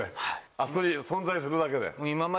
あそこに存在するだけで？